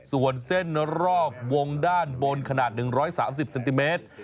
ส่วนเส้นรอบวงด้านบนขนาด๑๓๐เซนติเมตร